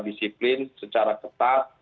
disiplin secara ketat